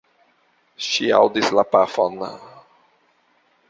Ŝi aŭdis la pafon.